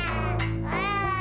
siapasih jangan kita guna kub oregon